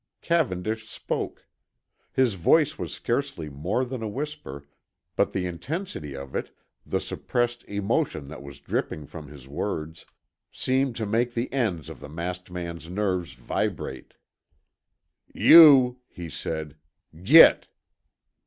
Cavendish spoke. His voice was scarcely more than a whisper, but the intensity of it, the suppressed emotion that was dripping from his words, seemed to make the ends of the masked man's nerves vibrate. "You " he said. "Git!"